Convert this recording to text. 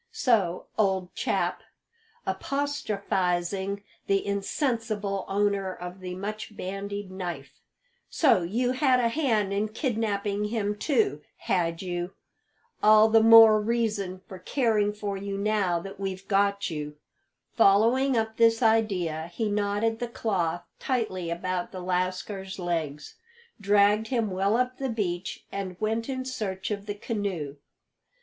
So, old chap," apostrophising the insensible owner of the much bandied knife, "so you had a hand in kidnapping him too, had you? All the more reason for caring for you now that we've got you." Following up this idea, he knotted the cloth tightly about the lascar's legs, dragged him well up the beach, and went in search of the canoe.